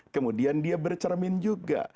kemudian dia bercermin juga